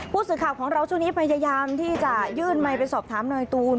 ผู้สื่อข่าวของเราช่วงนี้พยายามที่จะยื่นไมค์ไปสอบถามนายตูน